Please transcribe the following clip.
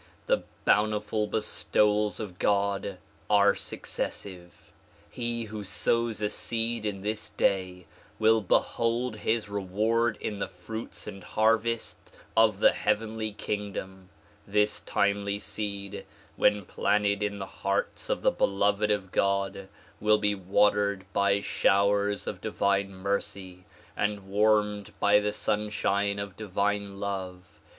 The bountiful bestowals of God are successive. He who sows a seed in this day will behold his reward in the fruits and harvest of the heavenly kingdom. This timely seed when planted in the hearts of the beloved of God will be watered by showers of divine mercy and warmed by the sunshine of divine love.